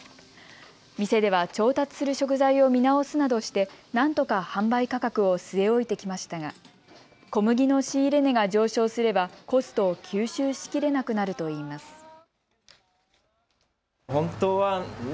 店では調達する食材を見直すなどしてなんとか販売価格を据え置いてきましたが小麦の仕入れ値が上昇すればコストを吸収しきれなくなるといいます。